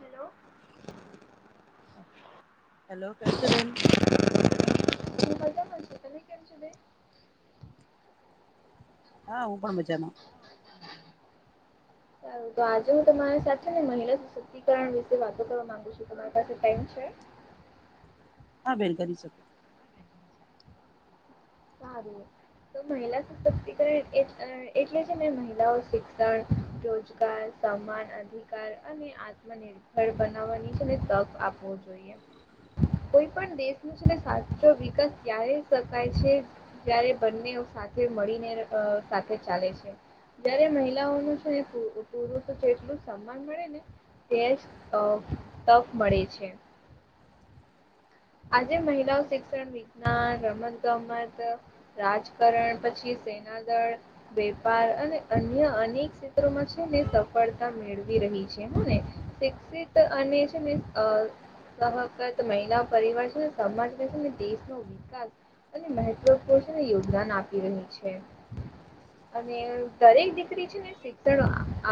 Hello. Hello કેમ છે બેન. હું મજામાં છું તમે કેમ છો બેન હા હું પણમેચ. તો આજે હું તમારી સાથે ને મહિલા સશક્તિકરણ વિશે વાતો કરવા માંગુ. તમારી પાસે ટમ છે. હા બેલ કરી શકો. સારું તો મહિલા સ સક્તિકરણ. એટલે જ મેને મહિલાઓ શિક્ષણ રોજગાર સન્માન અધિકાર અને આત્મ. નિર્ભર બનાવવાની છે ને તક આપવો જોઈએ. કોઈ પણ દેશ ન છે સાચો વિકાસ ક્યારે શકાય છે. ત્યારે બંને સાથે મળીને સાથે ચાલે છે. જયારે મહિલાઓનું છે ને પુરુષો એટલું જ સન્માન મળે ને. તે તક મળે છે. આજે મહિલાઓ શિક્ષણ વિજ્ઞાન રમત ગમત. રાજકારણ પછી સેના દળ. વેપાર અને અન્ય અનેક ક્ષેત્રોમાં છે ને સફળતા મેળવી રહી છે હને. શિક્ષિત અન છે મ સહકત મહિલા. પરિિવર છે સમાજ રહે છે ને દેશનોો વિકાસ. અને મહત્વપૂર્ષણ યોગદાન આપી રહી છે. અને દરેક દીકરી છે ને શિક્ષણ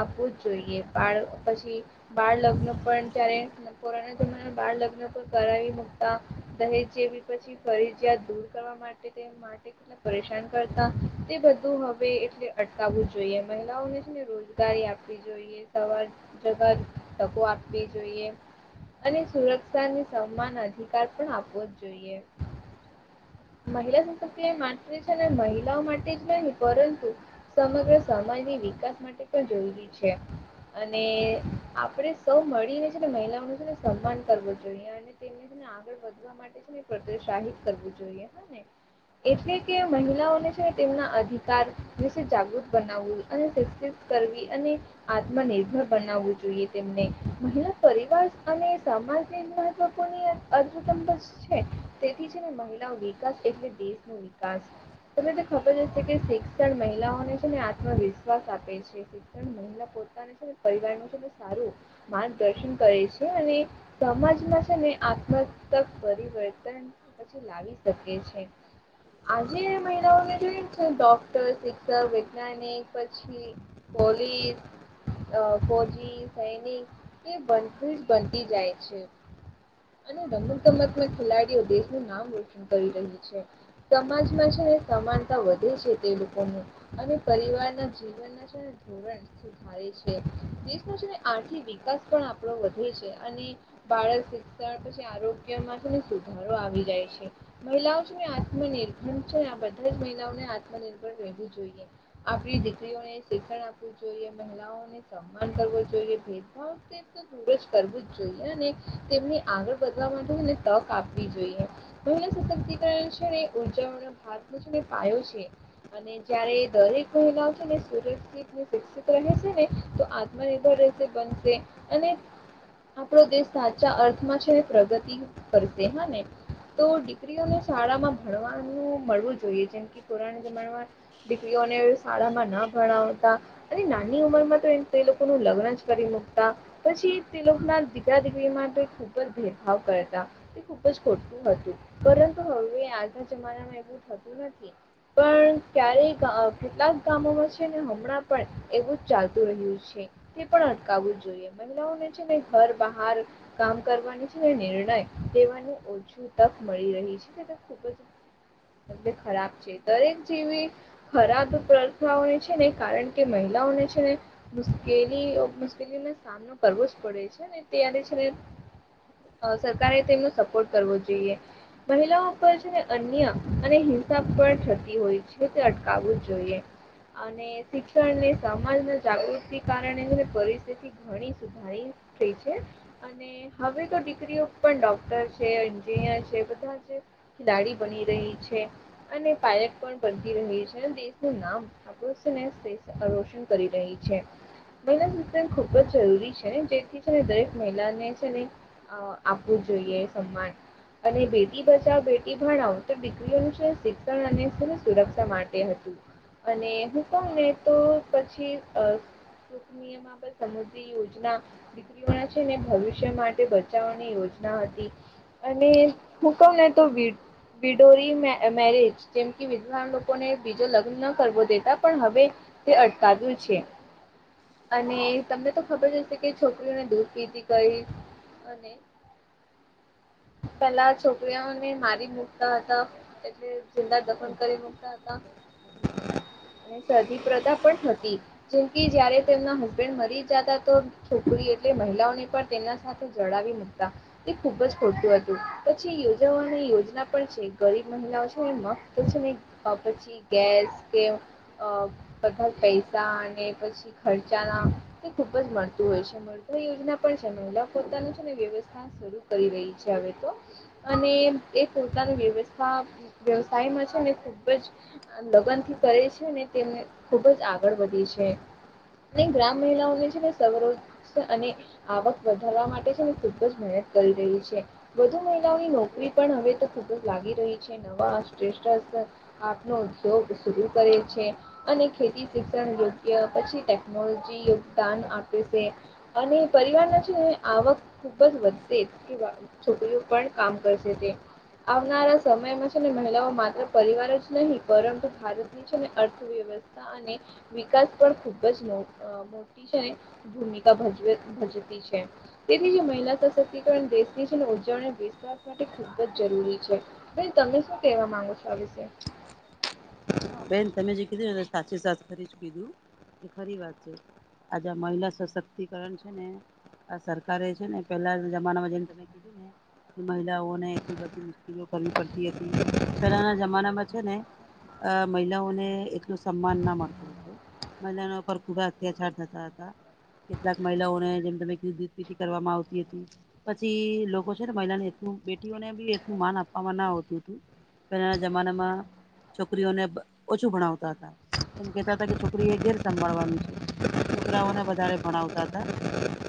આપવું જ જોઈએ બાળ પછી. બાળ લગ્ન પણ ત્યારે કોરોના જમાના બાળ લગ્ન પણ કરાવી. દહેજ જેવી પછી ફર જ્યા દૂર કરવા માટે. પરેશાન કરતા તે બધું હવે એટલે અટકાવવું જોઈએ મહિલાઓને છેને રોજ. ગારી આપવી જોઈએ સવાર જગકો આપવી જોઈએ. અને સુરક્ષાને સમાન અધિકાર પણ આપવો જ જોઈએ. મહિલા સંસ્કૃતિ માટે છે ને મહિલાઓ માટે જ નહી પરંતુ. સમગ્ર સમાજની વિકાસ માટે પણ જરૂરી છે. અને આપડે સૌ મળીને છે ને મહિલાઓનું છે ને સન્માન કરવો જોઈએ અને તેને. આગળ વધવા માટે છે ને પ્રોત્સાહિત કરવું જોઈએ હા ને. એટલે કે મહિલાઓને છે તેમના અધિકાર વિશે જાગૃત બનાવવું અને શિકષિત. કરવી અને. આત્મનિર્ભર બનાવવું જોઈએ તેમને મહિલા પરિવાર અને સમાજર. લોકોની. અત છે તેથી છે ને મહિલા વિકાસ એટલે દેશ ન વિકાસ. તને તો ખબર હશે કે શિક્ષણ મહિલાઓને છે ને આત્મવિશ્વાસ આપે છે. પણ મહિલા પોતાને છે ને પરિવાર ન છે તો સારું. માર્ગદર્શન કરે છે અને સમાજમાં છે ને. મતક પરિવર્તન પછી લાવી શકે છે. આજે મહિલાઓને જોઈ છે ડોક્ટર શિક્ષક વૈજ્ઞાનિક પછી. બોલી. અ ફોજી સૈનિક એ બ બનતી જાય છે. અને રમતગમતમ ખેલાડીઓ દેશનું નામ રોશન કરી રહી છે. સમાજમાં છે ને સમાનતા વધે છે તે લોકોનું અને પરિવારના જીવન. [unintelligible] થાય છે દેશ નો છેને આર્થિક વિકાસ પણ આપણો વધે છે અને બાળક શિક્ષણ પછી આરોગ્ય માં છે ને સુધારો આવી જાય છે મહિલાઓ છે આત્મનિર્ભર છે આ બધા જ મહિલાઓને આત્મનિર્ભર રહેવુ જોઈએ આપણી દીકરીઓને શિક્ષણ આપવું જોઈએ મહિલાઓને સન્માન કરવો જોઈએ ભેદભાવ તેમ દૂર જ કરવું જ જોઈએ અને તેમની આગળ વધવા માટે એને તક આપવી જોઈએ તો સશક્તિકરણ છે ને ઉર્જા ઓનો હાથ નો છે ને પાયો છે અને જયારે દરેક મહિલાઓ છે ને [unintelligible] અને શિક્ષિત રહે છેને તો આત્મનિર્ભર બનશે અને આપણો દેશ સાચા અર્થમાં છેને પ્રગતિ કરશે હ ને તો દીકરીઓને શાળામાં ભણવાનું મળવું જોઈએ જેમ કે કોરાના જમાનામાં દીકરીઓને શાળામાં ના ભણાવતા. અને નાની ઉંમર માં તો એ લોકો નું લગ્ન જ કરી મુકતા. પછી તે લોકો ના દીકરા દીકરી માટે ખૂબ જ ભેદભાવ કરતા. તે ખૂબ જ ખોટું હતું પરંતુ હવે આજના જમાનામાં એવું થતું નથી. પણ ક્યારેક કેટલાક ગામોમાં છે ને હમણાં પણ એવું જ ચાલતું રહ્યું છે. તે પણ અટકાવું જ જોઈએ મહિલાઓને છે ને ઘર બહાર કામ કરવાની છે ને નિર્ણય લેવાની ઓછી તક મળી રહી છે તે ખૂબ જ [unintelligible] ખરાબ છે દરેક જેવી ખરાબ પ્રથાઓને છે ને કારણ કે મહિલાઓને છે ને મુશ્કેલી મુશ્કેલીનો સામનો કરવો જ પડે છે ને ત્યારે છે ને અ સરકારે તેમનો સપોર્ટ કરવો જોઈએ. મહિલાઓ પર છેને અન્ય અને હિંસા પર થતી હોય છે તે અટકાવવું જ જોઈએ. અને શિક્ષણ ને સમાજ ના જાગૃતિ કારણે પરિસ્થિતિ ઘણી સુધારી થઈ છે અને હવે તો દીકરીઓ પણ ડોક્ટર છે એન્જિનિયર છે બધા છે દાડી બની રહી છે અને પાયલટ પણ બનતી રહી છે અને દેશનું નામ આપણું છે ને દેશ રોશન કરી રહી છે. મહિલા શિક્ષણ ખુબ જ જરૂરી છે ને જેથી છે ને દરેક મહિલાને છે ને અ આપવું જોઈએ સમ્માન અને બેટી બચાવ બેટી ભણાવ તો દીકરીઓનું શિક્ષણ અને સુરક્ષા માટે હતું. અને હુ કવ ને તો પછી નિયમબ સમૃદ્ધિ યોજના દીકરીવાળા છે ને ભવિષ્ય માટે બચાવવાની યોજના હતી અને હું કવ ને તો વિડોરી મે મેરેજ જેમ કે વિદ્વાન લોકોને બીજો લગ્ન ન કરવો દેતા પણ હવે તે અટકાવ્યું છે. અને તમને તો ખબર હશે કે છોકરીઓને દૂધ પીધી કઈ અને પેલા છોકરીઓને મારી મૂકતા હતા. એટલે જિંદા દફન કરી મૂકતા હતા. અને સદી પ્રથા પણ હતી. જેમ કે જયારે તેમના હસબેન્ડ મરી જતા તો છોકરી એટલે મહિલાઓને પણ તેમના સાથે જડાવી મુકતા. તે ખુબ જ ખોટું હતું પછી યોજાવાની યોજના પણ છે ગરીબ મહિલાઓ છે એમાં તો છે ને અ પછી ગેસ કે અ બધા પૈસા અને પછી ખર્ચાના એ ખુબ જ મળતું હોય છે. [unintelligible] યોજના પણ છે મહિલા પોતાનું છે ને વ્યવસ્થા શરૂુ કરી રહી છે હવે તો અને એ પોતાની વ્યવસ્થા વ્યવસાયમાં છે ને ખૂબ જ લગ્ન થી કરે છે ને તેમને ખુબ જ આગળ વધે છે ને ગ્રામ મહિલાઓ જે છેને [unintelligible] અને આવક વધે કરવાવા માટે છે ખુબ જ મહેનત કરી રહી છે વધુ મહિલાઓની નોકરી. પણ હવે તો ખૂબ જ લાગી રહી છે નવા શ્રેષ્ઠ. આપનોયોગ શરુ કરે છે. અને ખેતી શિક્ષણ યોગ્ય પછી ટેકનોલોજી યોગદાન આપે છે. અને પરિવાર ના છે ને. આવક ખુબ જ વધશે છોકરીઓ પણ કામ કરશે તે. આવનારા સમયમાં છે ને મહિલાઓ માત્ર પરિવાર જ નહીં પરંતુ ભારત. અને અર્થવ્યવસ્થા અને વિકાસ પણ ખૂબ જ મો. મોટી છે ને ભૂમિકા ભજ ભજતી છે. તેથી જે મહિલા સશક્તિકરણ દેશની છે અને ઉર્જાઓ વિશ્વા માટે ખૂબ જ જરૂરી છે. ભાઈ તમે શું કેવા માંગો છો આ વિશે. બેન તમે જે કીધું સાચ સા ખરી જ કીધું એ ખરી વાત છે. આજા મહિલા સશક્તિકરણ છે ને. આ સરકારે છે ને પેલા જમાના માં જેઈને તમે કીધું ને. મહિલાઓને એટલી બધી મુશ્કેલી કરવી પડતી હતી પેલાના જમાનામાં છે ને. અ મહિલાઓને એલું સન્માન ના મળતું હતું. મહિનો પર ખુબા અત્યાચાર થતા હતા. કેટલાક મહિલાઓને જેમ તમેુ દધપીતિ કરવામાં આવતી હતી. પછી લોકો છે ને મહિલાને એટ બેઠીઓને બી એટલું માન આપવામાં ના આવતું હતું. પહેણા જમાનામાં. છોકરીઓને ઓછું ભણાવતા હતા એમ કેતા હતા કે છોકરી એ ઘેર સંંભાળવાનું છે. છોકરાઓને વધારે ભણાવતા હતા.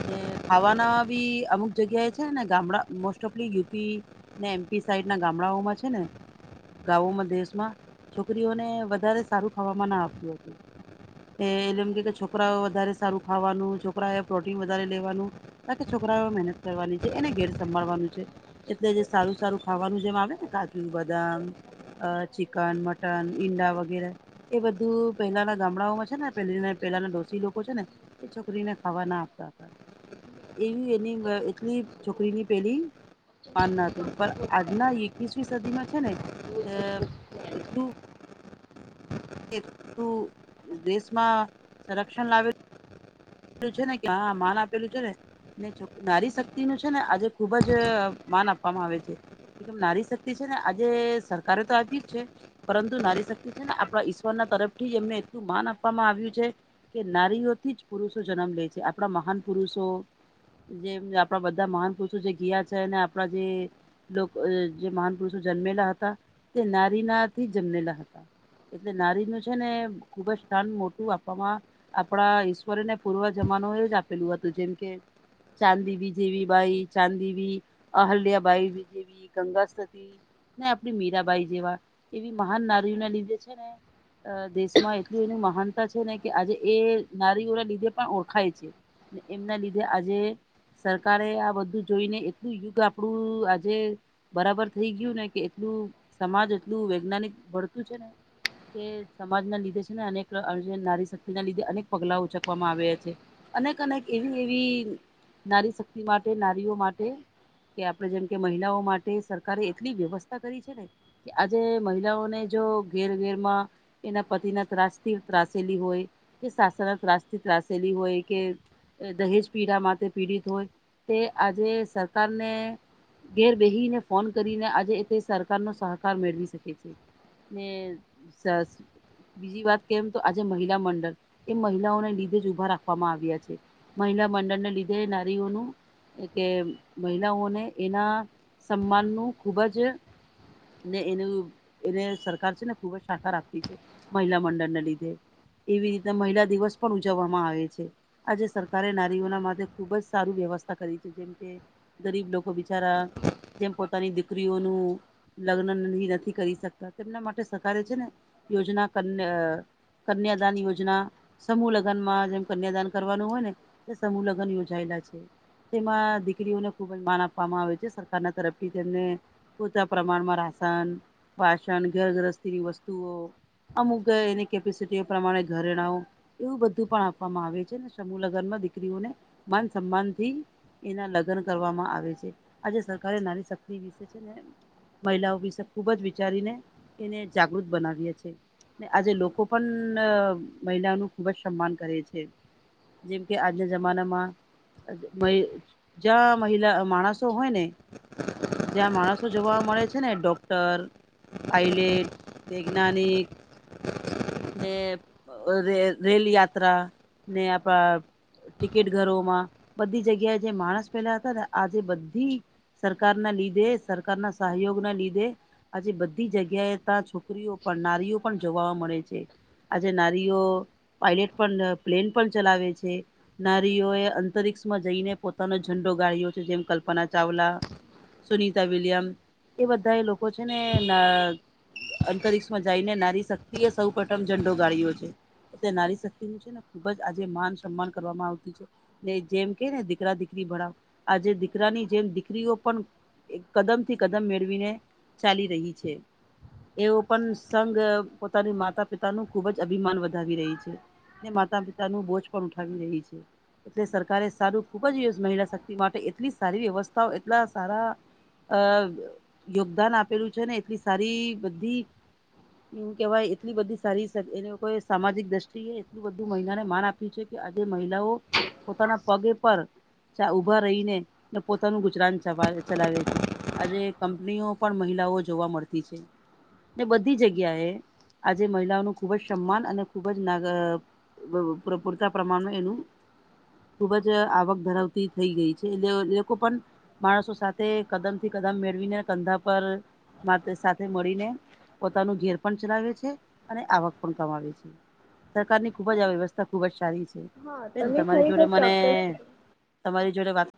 ને ખાવાના બી અમુક જગ્યાએ છે ને ગામડા મોસ્ટ ઓફલી યુપી. ને એમપી સાઈડ ના ગામડાઓમાં છે ને ગામોમાં દેશમાં. છોકરીઓને વધારે સારું ખાવામાં ના આપ્યું હતું. એ એલે એમ કે છોકરાઓ વધારે સારું ખાવાનું છોકરા એ પ્રોટીન વધારે લેવાનું. ત કે છોકરાઓ મહેનત કરવાની છે એને ઘેર સંભાળવાનું છે. એટલે જે સારું સારું ખાવાનું જેમ આવે ને કાજ બદામ અ ચિકન મટ. ન ઈંડા વગેરે. એ બધું પેલાના ગામડાઓમાં છે ને પે પેલાના ડોસી લોકો છે ને. તે છોકરીને ખાવાર ના આપતા હતા. એવી એની એટલી છોકરીની પેલી. માન ના હતું પણ આજના એકવીસમી સદીમાં છે ને એટલું. ું દેશમાં સંરક્ષણ લાવેલ. આપ છે ને કેા માન આપેલું છે ને. નારી શક્તિ નું છે ને આજે ખુબ જ માન આપવામાં આવે છે. કેમ નારી શક્તિ છે ને આજે સરકારે તો આપી જ છે. પરંતુ નારી શક્તિ છે ને આપણા ઈશ્વરના તરફથી જ એમને એટલું માન આપવામાં આવ્યું છે. કે નારીઓથી જ પુરુષો જન્મ લે છે આપણા મહાન પુરુષો. જે આપણા બધા મહાન પુરુષો જે ગયા છે અને આપણા જે. જે મહાન પુરુષો જન્મેલા હતા તે નારી નાર થી જન્મેલા હતા. એટલે નારી નું છે ને ખુબ જ સ્થાન મોટું આપવામાં આપડા. ઈશ્વને પૂર્વ જમાનો એ જ આપેલું હતું જેમ કે. ચાંદી બ જેવી બાઈ ચાંદી અહલ્યા બાાઈ જેવી ગંગાસ્તી. ને આપડી મીરાબાઈ જેવા એવી મહાન નારીઓને લીધે છે ને. અ દેશમાં એટલું એની મહાનતા છે ને કે આજે એ નારીઓ. લીધે પણ ઓળખાય છે ને એમના લીધે આજે. સરકારે આ બધું જોઈને એટલું યુગ આપણું આજે. બરાબર થઈ ગયું ને કે એટલું સમાજ એટલું વૈજ્ઞાનિક ભણતું છે ને. કે સમાજ ના લીધે છે ને અનેક નારી શક્તિ ના લીધે અનેક પગલાઓ છે. આપવામાં આવે છે અનેક અનેક એવી એવી નારી શક્તિ માટે નારીઓ માટે કે આપડણે જેમ કે મહિલાઓ માટે સરકારે એટલી વ્યવસ્થા કરી છે ને. આજે મહિલાઓને જો ઘેર ઘેરમાં. એના પતિના ત્રાસ થી ત્રાસલી હોય કે સાસ ના ત્રાસ થી ત્રાસલી હોય કે દહેજ પીડા માટે પીડિત હોય તે આજે સરકારને ઘેર બેહીને ફોન કરીને આજે તે સરકાર નો સહકાર મેળવી શકે છે. ને સરસ. બીજી વાત કરી એમ તો આજે મહિલા મંડળ એ મહિલાઓને લીધે જ ઉભા રાખવામાં આવ્યા છે મહિલા મંડળને લીધે નારીઓનું કે મહિલાઓને એના સન્માન નું ખૂબ જ એનું એને સરકાર છે ને ખુબ જ સાકાર આપતી છે. મહિલા મંડળને લીધે એવી રીતે મહિલા દિવસ પણ ઉજવવામાં આવે છે આજે સરકારે નારીઓના માટે ખુબ જ સારું વ્યવસ્થા કરી છે જેમ કે ગરીબ લોકો બિચારા જેમ પો પોતાની દીકરીઓનું લગ્ન નથી કરી શકતા તેમના માટે સકારે છે ને. યોજના કન્યા કન્યાદાન યોજના સમૂહ લગ્નમાં જેમ કન્યાદાન કરવાનું હોય ને તે સમૂહ લગ્ન યોજાયેલા છે. તેમાં દીકરીઓને ખુબ જ માન આપવામાં આવે છે સરકારના તરફથી તેમને પૂરતા પ્રમાણમાં રાસન વાસન ઘરગ્રસ્તીની વસ્તુઓ અમુક એની કેપેસિટીઓ પ્રમાણે ઘરેણાઓ. એવું બધું પણ આપવામાં આવે છે સમૂહ લગનમાં દીકરીઓને માન સન્માન થી એના લગ્ન કરવામાં આવે છે આજે સરકારે નાની શક્તિ વિશે છે ને મહિલાઓ વિશે ખુબ જ વિચારીને એને જાગૃત બનાવીએ છે. ને આજે લોકો પણ મહિલાનું ખુબ જ સમાન કરે છે જેમ કે આજના જમાનામાં. જ્યા મહિલા માણસ. હોય ને જ્યાં માણસો જોવા મળે છે ને ડોક્ટર પાયલેટ વૈજ્ઞાનિક [inaudible] ને રે રેલ યાત્રા ને આપા ટિકિટ ઘરોમાં બધી જગ્યાએ જે માણસ પેલા હતા ને આજે બધી સરકાર ના લીધે સરકાર ના સહયોગ ના લીધે આજે બધી જગ્યાએ ત્યાં છ છોકરીઓ પણ નારીઓ પણ જોવા મળે છે. આજે નારીઓ પાયલટ પણ પ્લેન પણ ચલાવે છે. નારીઓ એ અંતરિક્ષમાં જઈને પોતાનો ઝંડો ગાળ્યો છે જેમ કલ્પના ચાવલા. સુનીતા વિલિયમ. એ બધા એ લોકો છે ને અંતર્ષ માં જઈને નારી શક્તિ સૌ પ્રથમ ઝંડો ગાળ્યો છે. એ નારી શક્તિ નું છે ને ખુબ જ આજે માન સન્માન કરવામાં આવતું છે. જેમ કે ને દીકરા દીકરી ભણાવ આજે દીકરાની જેમ દીકરીઓ પણ કદમ થી કદમ મેળવીને ચાલી રહી છે. એવો પણ સઘ પોતાની માતા માતા પિતા ન ખુબ જ અભિમાન વધાવી રહી છે ને માતા પિતાનું બોજ પણ ઉઠાવી રહી છે. એટલે સરકારે સારું ખૂબ જ મહિલા શક્તિ માટે એટલી સારી વ્યવસ્થાઓ એટલા સારા. અ યોગદાન આપેલું છે ને એટલી સારી બધી એમ કેવાય એટલી બધી સારી એ લોકો સામાજિક દ્રષ્ટિએ એટલું બધું મહિલાને માન આપ્યું છે કે આજે મહિલાઓ પોતાના પગે પર ઉઊભા રહીને પોતાનું ગુજરાન ચલાવે છે. આજે કંપનીઓ પણ મહિલાઓ જોવા મળતી છે ને બધી જગ્યાએ આજે મહિલાઓનું ખુબ જ સમાન અને ખુબ જ ના પૂરતા પ્રમાણમાં એનું ખુબ જ આવક ધરાવતી થઈ ગઈ છે એટલે એ લોકો પણ માણસો સાથે કદમ થી કદમ મેળવીને કંધા પર સાથે મળીને પોતાનું ઘેર પણ ચલાવે છે. અને આવક પણ કમાવે છે સરકારની ખુબ જ આ વ્યવસ્થા ખુબ જ સારી છે. હા બેન તમે તમારી જોડે ખરેખર મને ચોક્કસ તમારી જોડે વાત